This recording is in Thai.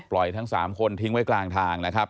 ทั้ง๓คนทิ้งไว้กลางทางนะครับ